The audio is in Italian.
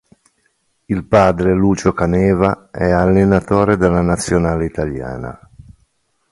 Il padre Lucio Caneva è allenatore della nazionale italiana.